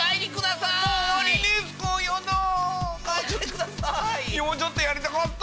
やだぁ、もうちょっとやりたかった。